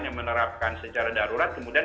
yang menerapkan secara darurat kemudian